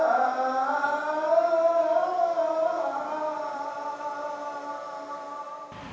jadi itu adalah simbol bahwa di dalam islam